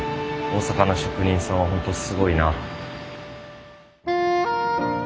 大阪の職人さんはホントすごいな。